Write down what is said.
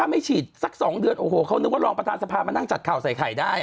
ไม่ฉีดสัก๒เดือนโอ้โหเขานึกว่ารองประธานสภามานั่งจัดข่าวใส่ไข่ได้